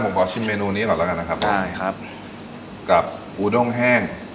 ผมขอชิมเมนูนี้ก่อนแล้วกันนะครับผมใช่ครับกับอูด้งแห้ง